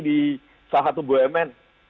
di saat bumn